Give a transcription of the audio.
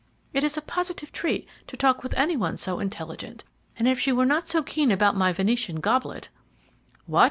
It is a positive treat to talk with any one so intelligent, and if she were not so keen about my Venetian goblet " "What!"